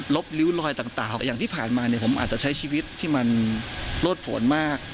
บริ้วลอยต่างอย่างที่ผ่านมาเนี่ยผมอาจจะใช้ชีวิตที่มันโลดผลมาก